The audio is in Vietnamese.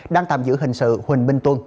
đang tạm giữ hình sự huỳnh minh tuân